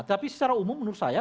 tapi secara umum menurut saya